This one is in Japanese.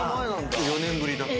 ４年ぶりだって。